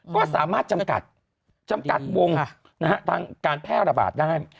ก็สามารถจำกัดวงการแพร่ระบาดได้